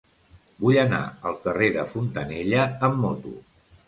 Vull anar al carrer de Fontanella amb moto.